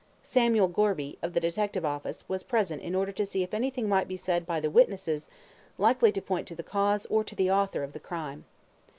Samuel Gorby, of the detective office, was present in order to see if anything might be said by the witnesses likely to point to the cause or to the author of the crime.